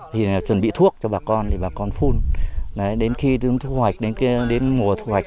thì chuẩn bị thuốc cho bà con bà con phun đến khi thu hoạch đến mùa thu hoạch